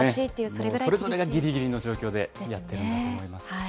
それぐらいぎりぎりの状況でやってるんだと思います。